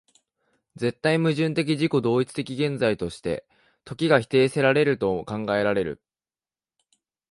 絶対矛盾的自己同一的現在として、時が否定せられると考えられる